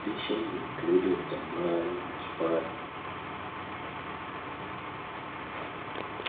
Additions included Jamal Mashburn and Allan Houston.